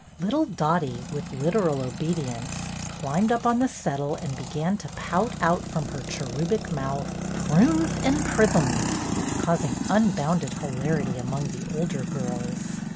Little Dottie, with literal obedience, climbed A CITY HISTORY CLUB 175 up on the settle and began to pout out from her cherubic mouth "Prunth and prithimth/' causing unbounded hilarity among the older girls.